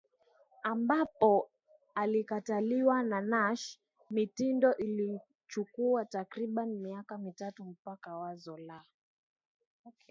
ambapo alikataliwa na Nash mitindo Ilichukua takribani miaka mitatu mpaka wazo la